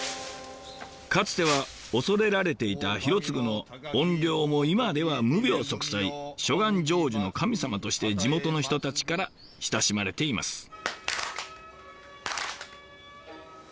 かつては恐れられていた広嗣の怨霊も今では無病息災諸願成就の神様として地元の人たちから親しまれています。